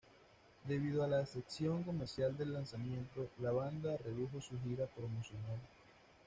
Debido a la decepción comercial del lanzamiento, la banda redujo su gira promocional.